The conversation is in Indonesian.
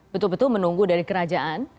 betul betul menunggu dari kerajaan